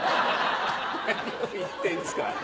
何を言ってんすか？